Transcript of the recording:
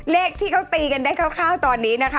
เลขที่เขาตีกันได้คร่าวตอนนี้นะคะ